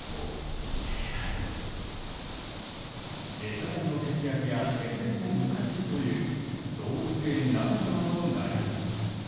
餌代の節約や節電も難しいという動物園ならではの悩み。